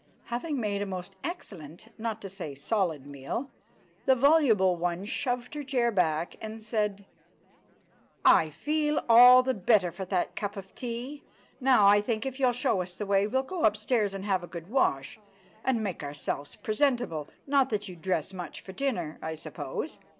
Having made a most excellent, not to say solid, meal, the voluble one shoved her chair back and said— "I feel all the better for that cup of tea. Now, I think, if you'll show us the way, we'll go upstairs and have a good wash, and make ourselves presentable—not that you dress much for dinner, I suppose?"